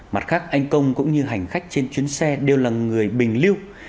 mặt khác anh công cũng như hành khách trên chuyến xe đều là người bình lưu